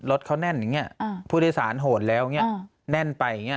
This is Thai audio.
รถเขาแน่นอย่างเงี้ยอ่าผู้โดยสารโหดแล้วอ่าแน่นไปอย่างเงี้ย